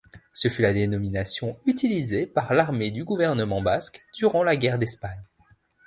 Ce fut la dénomination utilisée par l'armée du gouvernement basque durant la guerre d'Espagne.